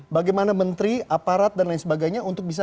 bagaimana menteri aparat dan lain sebagainya untuk bisa